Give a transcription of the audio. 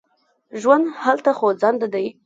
ژوند هلته خوځنده دی.